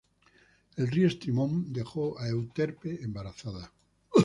El río Estrimón dejó a Euterpe embarazada.